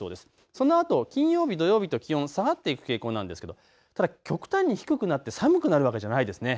そのあと金曜日、土曜日と気温下がっていく傾向なんですけどただ極端に低くなって寒くなるわけじゃないですよね。